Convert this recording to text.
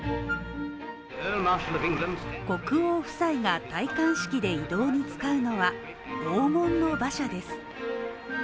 国王夫妻が戴冠式で移動に使うのは黄金の馬車です。